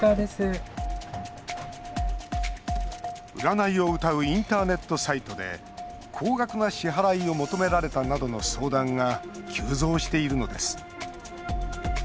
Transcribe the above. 占いをうたうインターネットサイトで高額な支払いを求められたなどの相談が急増しているのです。